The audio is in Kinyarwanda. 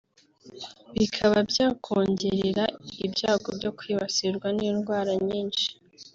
bikaba byakongerera ibyago byo kwibasirwa n’indwara nyinshi